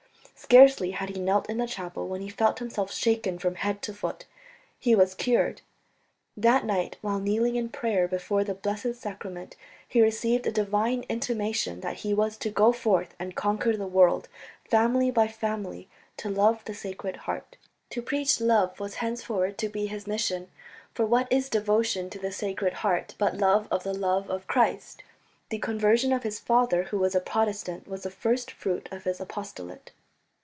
Scarcely had he knelt in the chapel when he felt himself shaken from head to foot. He was cured. That night while kneeling in prayer before the Blessed Sacrament he received a divine intimation that he was to go forth and conquer the world, family by family, to love the Sacred Heart. To preach love was henceforward to be his mission, for what is devotion to the Sacred Heart but love of the love of Christ? The conversion of his father, who was a Protestant, was the first fruit of his apostolate.